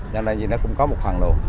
nên là nó cũng có một phần lộ